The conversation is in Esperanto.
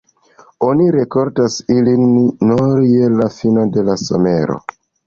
Oni rikoltas ilin nur je la fino de la somero.